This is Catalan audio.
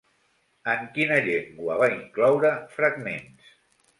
En quina llengua va incloure fragments?